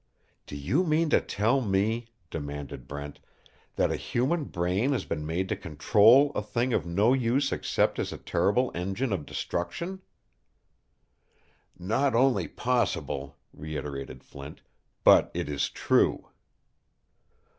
"Do you mean to tell me," demanded Brent, "that a human brain has been made to control a thing of no use except as a terrible engine of destruction?" "Not only possible," reiterated Flint, "but it is true."